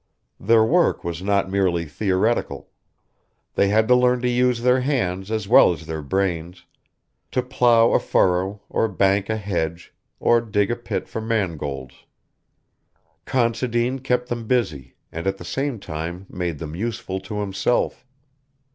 Their work was not merely theoretical. They had to learn to use their hands as well as their brains, to plough a furrow, or bank a hedge, or dig a pit for mangolds. Considine kept them busy, and at the same time made them useful to himself.